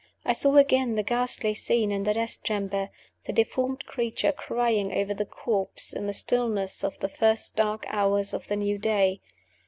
I saw again the ghastly scene in the death chamber the deformed creature crying over the corpse in the stillness of the first dark hours of the new day.